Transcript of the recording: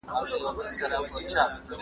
موږ د خپلو هنرمندانو پېرزوینه ستایو.